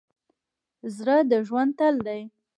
زړه د ژوند تل دی.